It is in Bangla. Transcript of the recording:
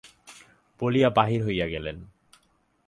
বলিয়া বাহির হইয়া গেলেন।